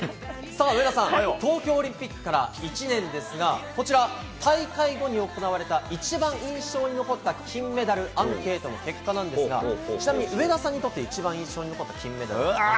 さあ、上田さん、東京オリンピックから１年ですが、こちら、大会後に行われた一番印象に残った金メダルアンケートの結果なんですが、ちなみに上田さんにとって、一番印象に残った金メダルはなんですか？